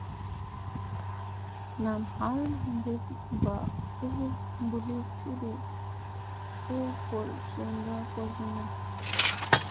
Nam hal pus mba u mbuzli fifi u ngol sunda kozina.